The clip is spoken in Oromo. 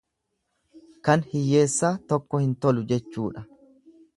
Kan hiyyeessaa tokko hin tolu jechuudha.